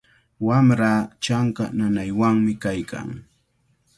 Wamraa chanka nanaywanmi kaykan.